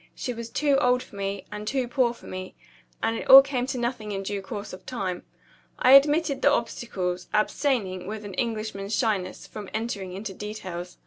She was too old for me, and too poor for me and it all came to nothing in due course of time. I admitted the obstacles; abstaining, with an Englishman's shyness, from entering into details.